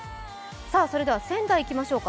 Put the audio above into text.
それでは仙台いきましょうか。